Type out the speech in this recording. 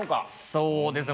そうですね